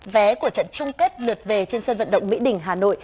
vé của trận chung kết lượt về trên sân vận động mỹ đình hà nội